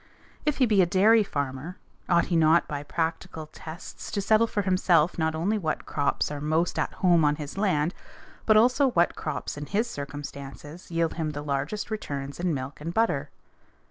If he be a dairy farmer, ought he not by practical tests to settle for himself not only what crops are most at home on his land but also what crops in his circumstances yield him the largest returns in milk and butter?